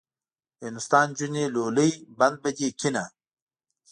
د هندوستان نجونې لولۍ بند به دې کیني.